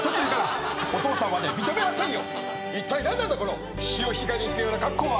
何なんだ⁉この潮干狩り行くような格好は！